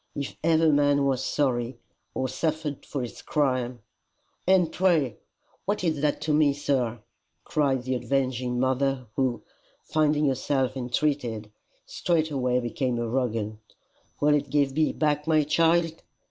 If ever man was sorry, or suffered for his crime, " "And pray what is that to me, sir?" cried the avenging mother, who, finding herself entreated, straightway became arrogant. "Will it give me back my child?